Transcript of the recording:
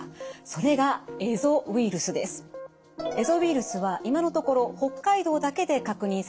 それがエゾウイルスは今のところ北海道だけで確認されています。